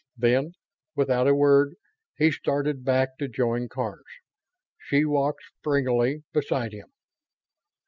Then, without a word, he started back to join Karns. She walked springily beside him.